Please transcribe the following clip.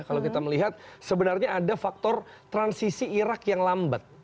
kalau kita melihat sebenarnya ada faktor transisi irak yang lambat